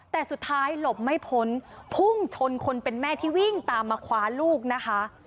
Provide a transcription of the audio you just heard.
แต่สุดท้ายหลบไม่พ้นพุ่งชนคนเป็นแม่ที่วิ่งตามมาคว้าลูกนะคะ